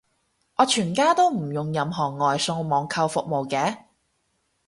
我全家都唔用任何外送網購服務嘅